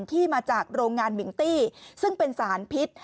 ที่มาจากโรงงานมิงตี้ซึ่งเป็นสารพิษ